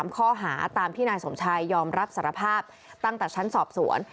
ข้อหาตามที่นายสมชายยอมรับสารภาพตั้งแต่ชั้นสอบสวน